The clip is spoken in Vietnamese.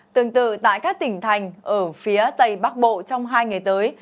tương tự tại các tỉnh thành ở phía tây bắc bộ trong hai ngày tới